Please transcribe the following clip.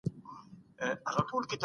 تا به د پوهنځي پاڼې نیمې سوځولې وې.